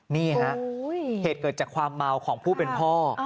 นี่ฮะเหตุเกิดจากความเมาของผู้เป็นพ่อ